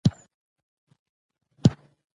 د قلم زړه مي پرهار پرهار دی